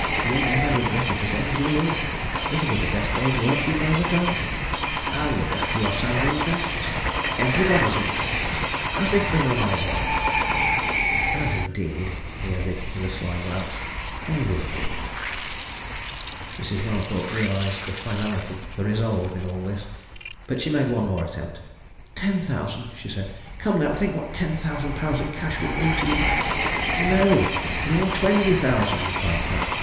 You'll never regret it as long as you live. It'll be the best day's work you've ever done. I'll look after your son's interests everybody's interests as if they were my own. As indeed," he added, with a sly glance, "they will be." Mrs. Mallathorpe realized the finality, the resolve, in all this but she made one more attempt. "Ten thousand!" she said. "Come, now! think what ten thousand pounds in cash would mean to you!" "No nor twenty thousand," replied Pratt.